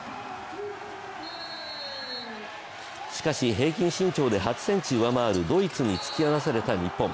しかし、平均身長で８ｃｍ上回るドイツに突き放された日本。